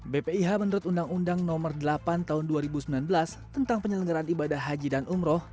bpih menurut undang undang nomor delapan tahun dua ribu sembilan belas tentang penyelenggaran ibadah haji dan umroh